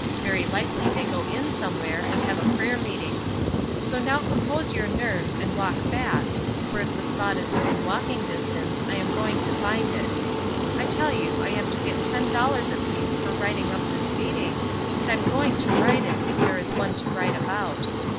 Very likely they go in somewhere and have a prayer meeting. So now compose your nerves and walk fast, for if the spot is within walking distance I am going to find it. I tell you I am to get ten dollars at least for writing up this meeting, and I am going to write it if there is one to write about.